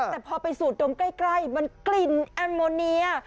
แต่พอไปสูดดมใกล้มันกลิ่นแอนโมเนีย